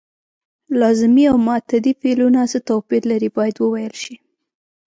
لازمي او متعدي فعلونه څه توپیر لري باید وویل شي.